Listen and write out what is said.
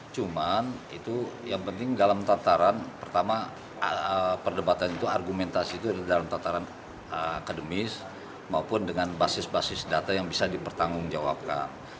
cuman itu yang penting dalam tataran pertama perdebatan itu argumentasi itu dalam tataran akademis maupun dengan basis basis data yang bisa dipertanggungjawabkan